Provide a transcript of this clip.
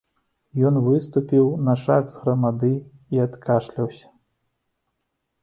Ён выступіў на шаг з грамады і адкашляўся.